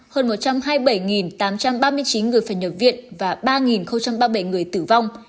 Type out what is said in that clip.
hơn một trăm hai mươi bảy tám trăm ba mươi chín người phải nhập viện và ba ba mươi bảy người tử vong